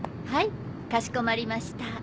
はいかしこまりました。